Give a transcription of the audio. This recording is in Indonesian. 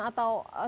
atau seperti itu